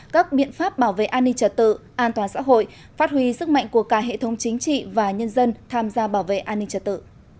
các biện pháp bảo vệ an ninh trật tự an toàn xã hội phát huy sức mạnh của cả hệ thống chính trị và nhân dân tham gia bảo vệ an ninh trật tự